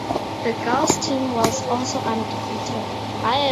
The girls' team was also undefeated.